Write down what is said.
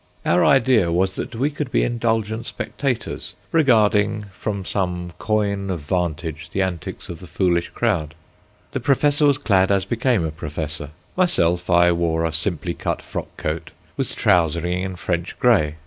Our idea was that we could be indulgent spectators, regarding from some coign of vantage the antics of the foolish crowd. The professor was clad as became a professor. Myself, I wore a simply cut frock coat, with trousering in French grey.